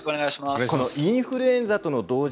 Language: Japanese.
インフルエンザとの同時